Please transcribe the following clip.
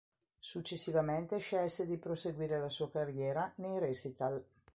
Successivamente scelse di proseguire la sua carriera nei recital.